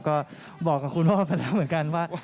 ก็บอกกับคุณพ่อไปแล้วเหมือนกันว่า